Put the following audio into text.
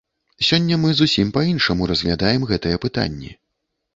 Сёння мы зусім па-іншаму разглядаем гэтыя пытанні.